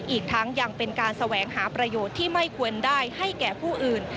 อีกทั้งยังเป็นการแสวงหาประโยชน์ที่ไม่ควรได้ให้แก่ผู้อื่น